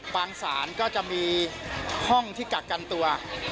สารก็จะมีห้องที่กักกันตัว